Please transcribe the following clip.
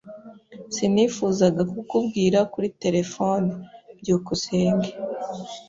Sinifuzaga kukubwira kuri terefone. byukusenge